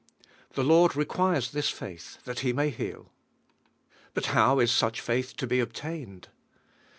The Lord requires this faith that He may heal. But how is such faith fo be obtained?